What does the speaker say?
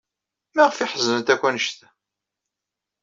Maɣef ay ḥeznent akk anect-a?